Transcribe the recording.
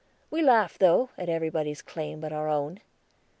We laugh, though, at everybody's claims but our own.